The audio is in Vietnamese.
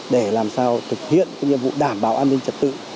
để làm sao thực hiện cái nhiệm vụ đảm bảo an ninh trật tự